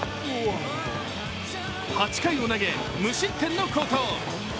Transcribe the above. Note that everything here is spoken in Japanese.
８回を投げ無失点の好投。